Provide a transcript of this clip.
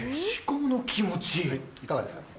いかがですか？